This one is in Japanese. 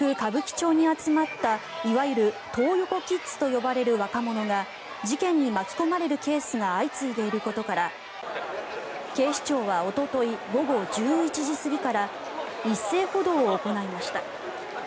新宿・歌舞伎町に集まったいわゆるトー横キッズと呼ばれる若者が事件に巻き込まれるケースが相次いでいることから警視庁はおととい午後１１時過ぎから一斉補導を行いました。